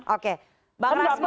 oke bang rasman